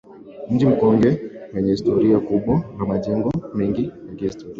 Mji Mkongwe wenye historia kubwa una majengo mengi ya kihistoria